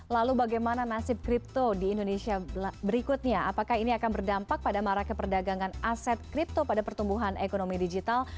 lalu bagaimana nasib kripto di indonesia berikutnya apakah ini akan berdampak pada marak ke perdagangan aset kripto pada pertumbuhan ekonomi digital